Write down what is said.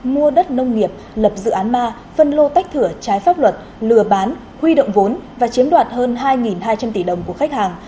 mua đất nông nghiệp lập dự án ma phân lô tách thửa trái pháp luật lừa bán huy động vốn và chiếm đoạt hơn hai hai trăm linh tỷ đồng của khách hàng